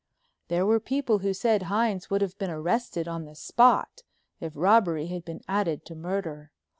There were people who said Hines would have been arrested on the spot if robbery had been added to murder.